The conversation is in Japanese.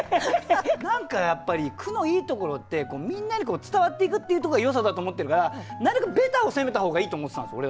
何かやっぱり句のいいところってみんなに伝わっていくっていうところがよさだと思ってるからなるべくベタを攻めた方がいいと思ってたんですよ。